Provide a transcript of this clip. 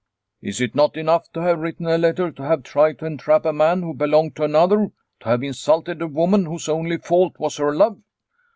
"Is it not enough to have written a letter, to have tried to entrap a man who belonged to another, to have insulted a woman whose only fault was her love